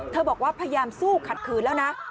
บอกว่าพยายามสู้ขัดขืนแล้วนะ